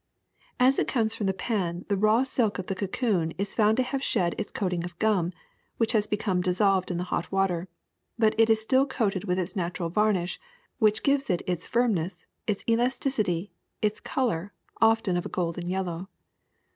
^^As it comes from the pan the raw silk of the co coon is found to have shed its coating of gum, which has become dissolved in the hot water ; but it is still coated with its natural varnish, which gives it its firmness, its elasticity, its color, often of a golden yellow.